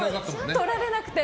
とられなくて。